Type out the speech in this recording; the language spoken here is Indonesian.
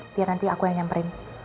biar nanti aku yang nyamperin